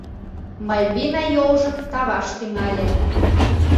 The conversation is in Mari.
Мальвина йолжым таваш тӱҥале: